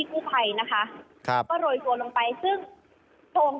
ก็ไปกับเจ้าหน้าที่โมบังบุ๊ค